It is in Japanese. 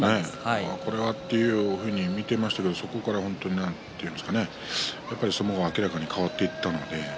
これはというふうに見ていたんですがそこから本当に相撲が明らかに変わっていきました。